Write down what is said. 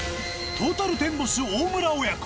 トータルテンボス・大村親子